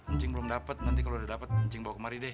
ncing belum dapet nanti kalo udah dapet ncing bawa kemari deh